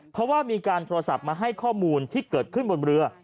เพราะว่ามีการโทรศัพท์มาให้ข้อมูลที่เกิดขึ้นบนเรือ